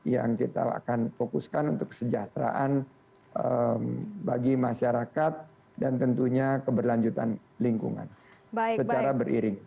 yang kita akan fokuskan untuk kesejahteraan bagi masyarakat dan tentunya keberlanjutan lingkungan secara beriring